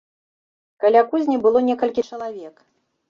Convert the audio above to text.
Каля кузні было некалькі чалавек.